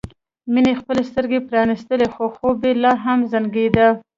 مينې خپلې سترګې پرانيستلې خو خوب یې لا هم زنګېده